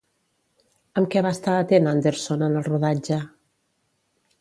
Amb què va estar atent Anderson en el rodatge?